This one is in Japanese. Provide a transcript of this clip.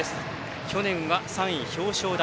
去年は３位表彰台。